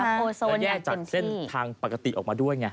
ก็แยกจากเส้นทางปกติออกมาด้วยไง